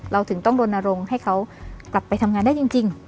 เราถึงต้องรณรงค์ให้เขากลับไปทำงานได้จริง